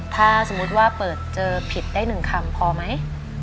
ถ้าสมมุติว่าเปิดเจอผิดได้๑คำพอไหม